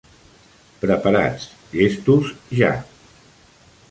"Preparats, llestos, ja!